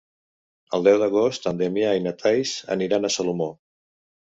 El deu d'agost en Damià i na Thaís aniran a Salomó.